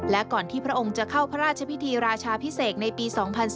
และก่อนที่พระองค์จะเข้าพระราชพิธีราชาพิเศษในปี๒๔